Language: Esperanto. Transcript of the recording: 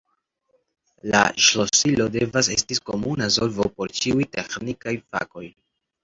La ŝlosilo devas esti komuna solvo por ĉiuj teknikaj fakoj.